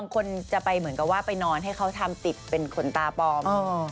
เกิดไปนอนให้เขาทำติดเป้นขนตาปลอม